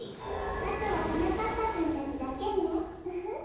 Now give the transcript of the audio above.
あとははなかっぱくんたちだけねウフッ。